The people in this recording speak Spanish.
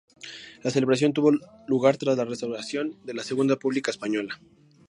La celebración tuvo lugar tras la instauración de la Segunda República española.